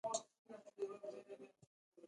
متلونه د شکل له مخې په منظوم او منثور ویشل کېږي